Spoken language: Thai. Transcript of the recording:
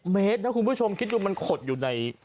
๑๐เมตรแล้วคุณผู้ชมคิดว่ามันขดอยู่ใน